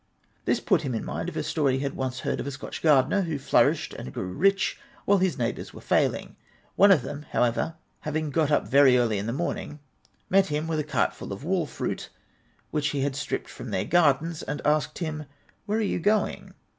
This put him in mind of a story he had once heard of a Scotch gardener, who flourished and grew rich while his neighbours were failing. One of them, however, having got up very early in the morning, met him with a cartful of wall fruit, which he had stripped from their gardens, and asked him, " Where are you going